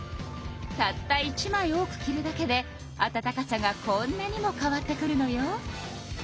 たった１枚多く着るだけで暖かさがこんなにも変わってくるのよ。